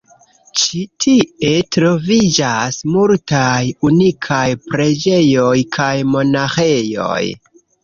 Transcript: Ĉi tie troviĝas multaj unikaj preĝejoj kaj monaĥejoj.